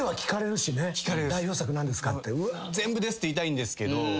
全部ですって言いたいんですけど。